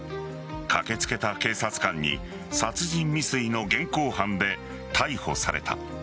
駆けつけた警察官に殺人未遂の現行犯で逮捕された。